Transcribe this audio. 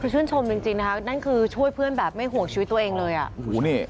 ว่าช่วงชมจริงจริงนะฮะนั่นคือช่วยเพื่อนแบบไม่ห่วงชีวิตตัวเองเลยอ่ะ